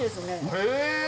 へえ。